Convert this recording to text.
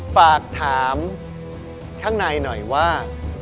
ฝากถามข้างในหน่อยว่า